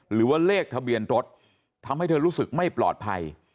หรือว่าเลขทะเบียนรถทำให้เธอรู้สึกไม่ปลอดภัย